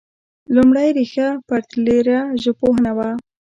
لومړۍ ريښه پرتلیره ژبپوهنه وه